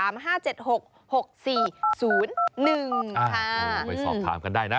ไปสอบถามกันได้นะ